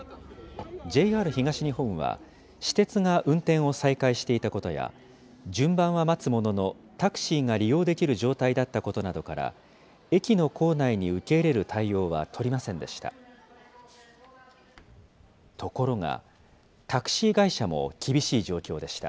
ＪＲ東日本は、私鉄が運転を再開していたことや、順番は待つものの、タクシーが利用できる状態だったことなどから、駅の構内に受け入れる対応は取りませんでした。